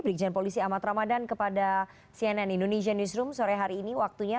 brikjen polisi ahmad ramadan kepada cnn indonesian newsroom sore hari ini waktunya